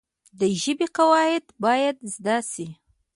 د ژبي قواعد باید زده سي.